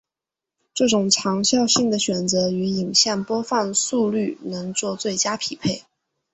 这种长效性的选择与影像播放速率能做最佳的匹配。